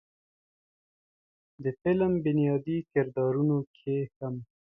د فلم بنيادي کردارونو کښې هم